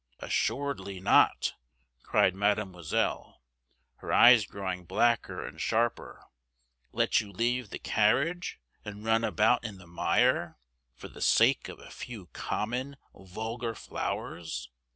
"Assuredly not!" cried Mademoiselle, her eyes growing blacker and sharper. "Let you leave the carriage and run about in the mire, for the sake of a few common, vulgar flowers?